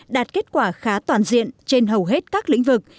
đạt kết quả khá toàn diện trên hầu hết các lĩnh vực